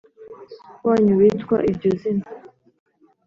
Wanyu witwa iryo zina